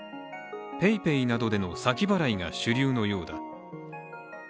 ＰａｙＰａｙなどでの先払いが主流のようだ。